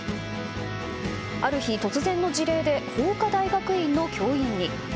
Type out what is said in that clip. ある日、突然の辞令で法科大学院の教員に。